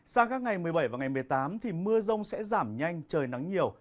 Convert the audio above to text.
sang các ngày một mươi bảy và ngày một mươi tám thì mưa rông sẽ giảm nhanh trời nắng nhiều